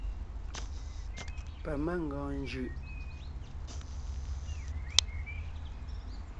Pamangɔɔn njʉʼ.